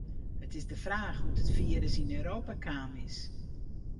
It is de fraach hoe't it firus yn Europa kaam is.